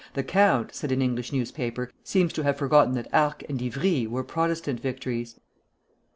"The count," said an English newspaper, "seems to have forgotten that Arques and Ivry were Protestant victories."